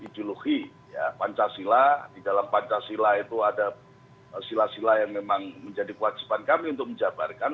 ideologi pancasila di dalam pancasila itu ada sila sila yang memang menjadi kewajiban kami untuk menjabarkan